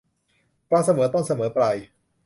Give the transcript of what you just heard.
ความเสมอต้นเสมอปลาย